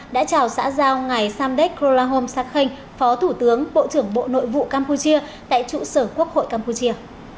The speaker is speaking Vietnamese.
đã chào xã giao ngày samdech krolahom sarkhanh phó thủ tướng bộ trưởng bộ nội vụ campuchia tại trụ sở quốc hội campuchia